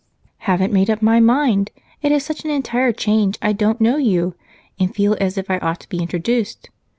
"Haven't made up my mind. It is such an entire change, I don't know you, and feel as if I ought to be introduced.